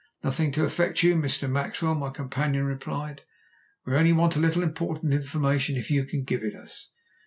"Nothing to affect you, Mr. Maxwell," my companion replied. "We only want a little important information, if you can give it us.